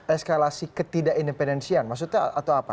eskalasi ketidakindependensian maksudnya atau apa